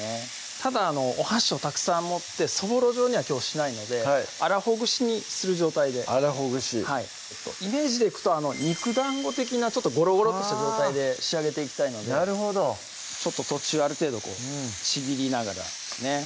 ただお箸をたくさん持ってそぼろ状にはきょうしないので粗ほぐしにする状態で粗ほぐしイメージでいくと肉だんご的なゴロゴロッとした状態で仕上げていきたいのでなるほど途中ある程度こうちぎりながらね